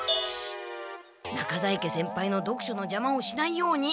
中在家先輩の読書のじゃまをしないように。